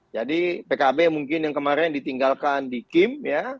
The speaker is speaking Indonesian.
jadi pkb mungkin yang kemarin ditinggalkan di kim